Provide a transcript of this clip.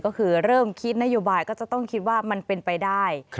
ก็คือเริ่มคิดนโยบายก็จะต้องคิดว่ามันเป็นไปได้